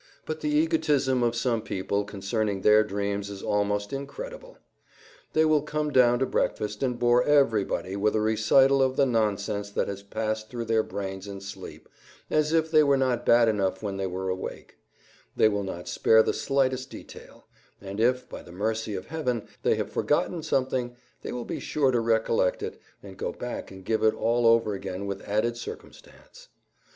But the egotism of some people concerning their dreams is almost incredible. They will come down to breakfast and bore everybody with a recital of the nonsense that has passed through their brains in sleep, as if they were not bad enough when they were awake; they will not spare the slightest detail; and if, by the mercy of Heaven, they have forgotten something, they will be sure to recollect it, and go back and give it all over again with added circumstance.